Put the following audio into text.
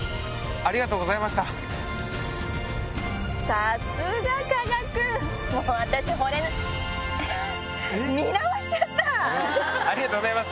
ありがとうございます！